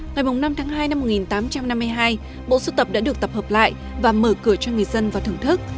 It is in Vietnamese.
ngày năm tháng hai năm một nghìn tám trăm năm mươi hai bộ sưu tập đã được tập hợp lại và mở cửa cho người dân vào thưởng thức